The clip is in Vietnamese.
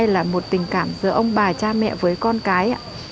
và một tình cảm giữa ông bà cha mẹ với con cái